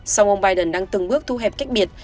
song ông biden đang từng bước thu hẹp cách biệt